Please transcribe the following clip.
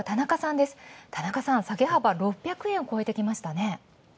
田中さん、下げ幅６００円を超えてきましたね。